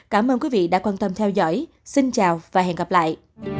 cảm ơn quý vị đã quan tâm theo dõi xin chào và hẹn gặp lại